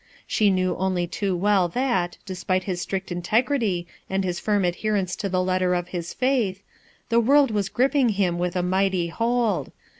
She knew only too well that, despite his strict integrity and his firm adherence to the letter of his faith, the world was gripping him with a mighty hold.